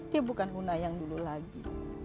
dia bukan huna yang dulu lagi